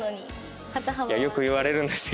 よく言われるんですよ。